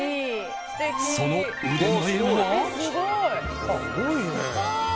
その腕前は。